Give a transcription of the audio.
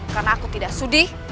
karena aku tidak sudi